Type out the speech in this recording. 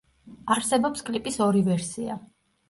არსებობს კლიპის ორი ვერსია.